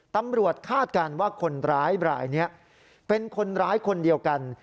คาดการณ์ว่าคนร้ายบรายนี้เป็นคนร้ายคนเดียวกัน